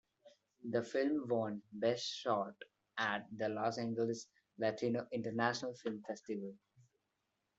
The film won Best Short at the Los Angeles Latino International Film Festival.